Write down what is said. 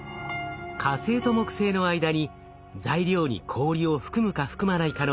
火星と木星の間に材料に氷を含むか含まないかの境界があるんです。